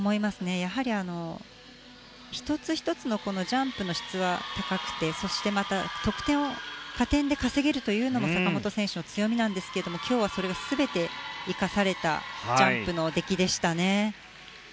やはり、１つ１つのジャンプの質は高くてそして、得点を加点で稼げるというのも坂本選手の強みですが今日はそれが全て生かされたジャンプの出来でしたね。